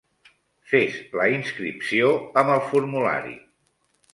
Fes la inscripció amb el formulari.